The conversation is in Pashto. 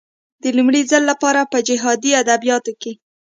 د لومړي ځل لپاره په جهادي ادبياتو کې.